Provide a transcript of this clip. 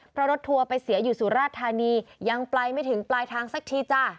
เพราะรถทัวร์ไปเสียอยู่สุราชธานียังไปไม่ถึงปลายทางสักทีจ้ะ